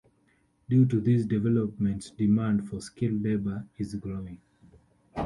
Due to these developments, demand for skilled labor is growing.